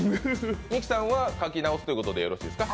ミキさんは書き直すということでいいですか？